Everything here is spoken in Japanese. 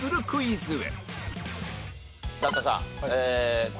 クイズ。